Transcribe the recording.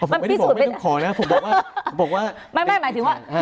อ้าวผมไม่ได้บอกไม่ต้องขอนะครับผมบอกว่าผมบอกว่าไม่หมายถึงว่า